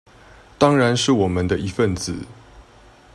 當然是我們的一分子